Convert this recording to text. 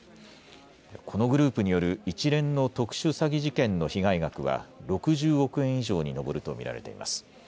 このグループによる一連の特殊詐欺事件の被害額は６０億円以上に上ると見られています。